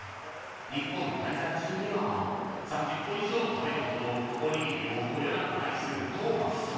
日本滞在中には３０個以上食べるほどおにぎりをこよなく愛するトーマスさん。